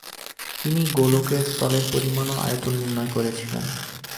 তিনি গোলকের তলের পরিমাণ ও আয়তন নির্ণয় করেছিলেন।